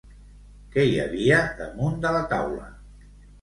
Què hi havia damunt de la taula?